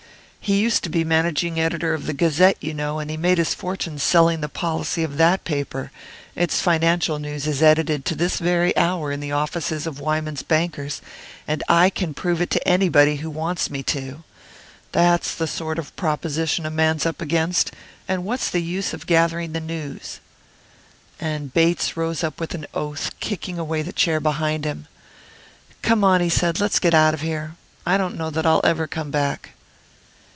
He used to be managing editor of the Gazette, you know; and he made his fortune selling the policy of that paper its financial news is edited to this very hour in the offices of Wyman's bankers, and I can prove it to anybody who wants me to. That's the sort of proposition a man's up against; and what's the use of gathering the news?" And Bates rose up with an oath, kicking away the chair behind him. "Come on," he said; "let's get out of here. I don't know that I'll ever come back."